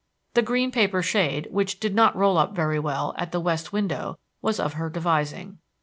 The green paper shade, which did not roll up very well, at the west window was of her devising.